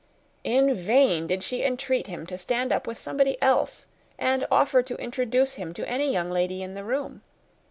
In vain did she entreat him to stand up with somebody else, and offered to introduce him to any young lady in the room.